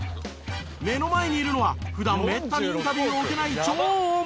目の前にいるのは普段めったにインタビューを受けない超大物。